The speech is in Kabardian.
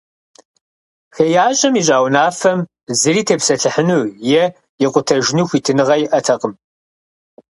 ХеящӀэм ищӀа унафэм зыри тепсэлъыхьыну е икъутэжыну хуитыныгъэ иӀэтэкъым.